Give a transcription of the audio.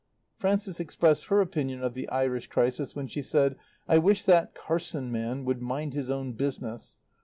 Frances expressed her opinion of the Irish crisis when she said, "I wish that Carson man would mind his own business.